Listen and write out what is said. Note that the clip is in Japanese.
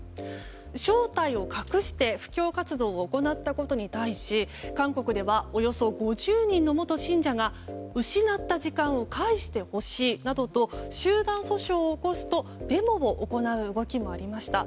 正体を隠して布教活動を行ったことに対して韓国ではおよそ５０人の元信者が失った時間を返してほしいなどと集団訴訟を起こすとデモを行う動きもありました。